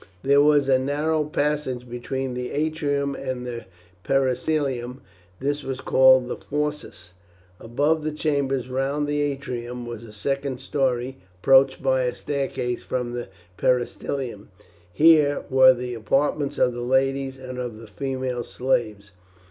There was a narrow passage between the atrium and the peristylium; this was called the fauces. Above the chambers round the atrium was a second story, approached by a staircase from the peristylium; here were the apartments of the ladies and of the female slaves.